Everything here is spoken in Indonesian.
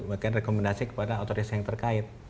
memberikan rekomendasi kepada otoritas yang terkait